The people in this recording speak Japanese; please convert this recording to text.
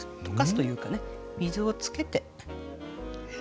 溶かすというかね水をつけて。